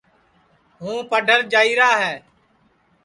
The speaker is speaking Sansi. ہوں پڈھر جائیرا ہے